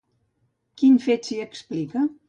Quin fet s'hi explica?